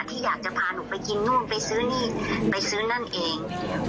ที่อยากจะพาหนูไปกินนู่นไปซื้อนี่ไปซื้อนั่นเอง